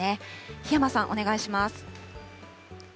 檜山さん、お願いします。